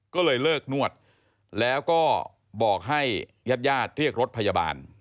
ก็เลยเลิกนวดแล้วก็บอกให้ญาติญาติเรียกรถพยาบาล